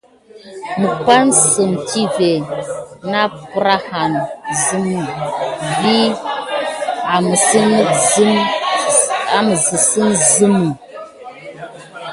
Məpplansəm tive napprahan zəmə vis amizeb sine sime.